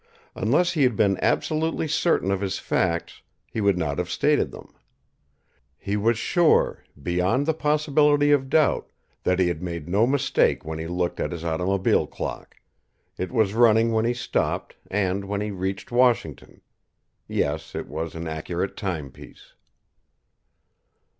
Unless he had been absolutely certain of his facts, he would not have stated them. He was sure, beyond the possibility of doubt, that he had made no mistake when he looked at his automobile clock; it was running when he stopped and when he reached Washington; yes, it was an accurate timepiece.